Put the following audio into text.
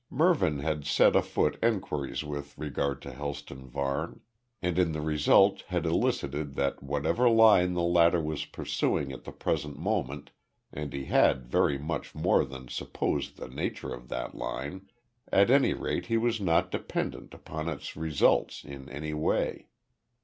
Mervyn had set afoot enquiries with regard to Helston Varne, and in the result had elicited that whatever line the latter was pursuing at the present moment and he very much more than supposed the nature of that line at any rate he was not dependent upon its results in any way.